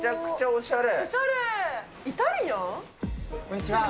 おしゃれ。